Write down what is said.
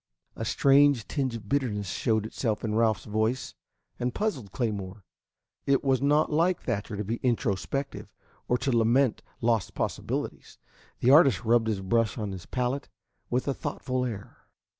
A strange tinge of bitterness showed itself in Ralph's voice, and puzzled Claymore. It was not like Thatcher to be introspective, or to lament lost possibilities. The artist rubbed his brush on his palette with a thoughtful air.